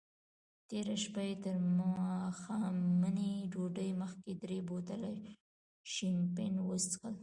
تېره شپه یې تر ماښامنۍ ډوډۍ مخکې درې بوتله شیمپین وڅیښل.